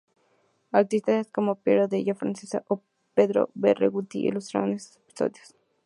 Artistas como Piero della Francesca o Pedro Berruguete ilustraron estos episodios.